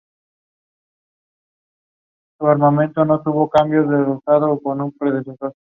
En ese año pasó a formar parte del Junior de Barranquilla.